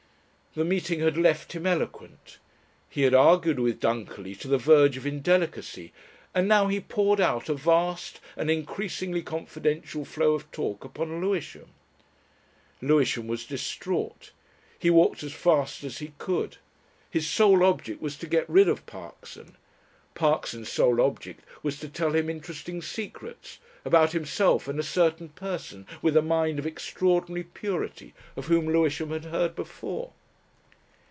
The meeting had left him eloquent. He had argued with Dunkerley to the verge of indelicacy, and now he poured out a vast and increasingly confidential flow of talk upon Lewisham. Lewisham was distraught. He walked as fast as he could. His sole object was to get rid of Parkson. Parkson's sole object was to tell him interesting secrets, about himself and a Certain Person with a mind of extraordinary Purity of whom Lewisham had heard before.